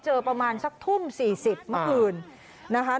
เจอประมาณสักทุ่มสี่สิบเมื่อคืน